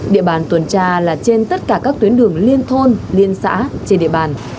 địa bàn tuần tra là trên tất cả các tuyến đường liên thôn liên xã trên địa bàn